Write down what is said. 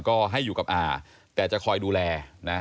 ก็ให้อยู่กับอาแต่จะคอยดูแลนะ